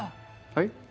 はい？